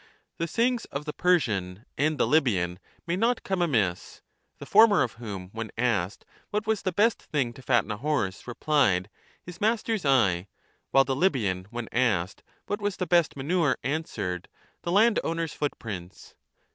The sayings of the Persian and the Libyan may not come amiss ; the former of whom, when asked what was the best thing to fatten a horse, replied, His master s eye , while the Libyan, when asked what was the best manure, answered, 5 The landowner s foot prints